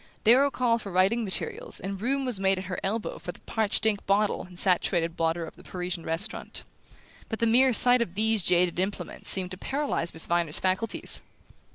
Darrow called for writing materials and room was made at her elbow for the parched ink bottle and saturated blotter of the Parisian restaurant; but the mere sight of these jaded implements seemed to paralyze Miss Viner's faculties.